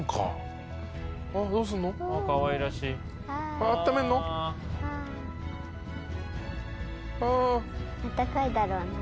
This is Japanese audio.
あったかいだろうな。